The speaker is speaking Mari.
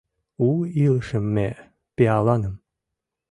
У илышым ме, пиаланым